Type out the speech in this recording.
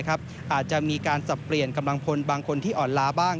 อาจจะมีการสับเปลี่ยนกำลังพลบางคนที่อ่อนล้าบ้าง